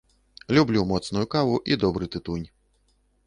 Люблю моцную каву і добры тытунь.